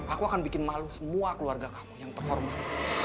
aku akan bikin malu semua keluarga kamu yang terhormat